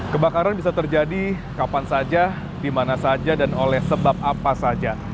kebakaran bisa terjadi kapan saja di mana saja dan oleh sebab apa saja